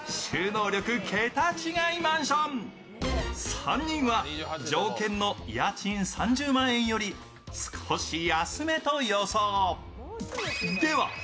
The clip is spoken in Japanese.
３人は条件の家賃３０万円より少し安めと予想。